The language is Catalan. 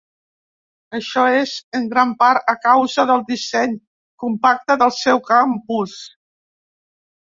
Això és en gran part a causa del disseny compacte del seu campus.